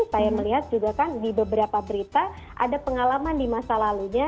saya melihat juga kan di beberapa berita ada pengalaman di masa lalunya